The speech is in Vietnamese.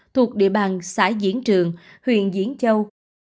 thuộc địa bàn xã diễn trường huyện diễn châu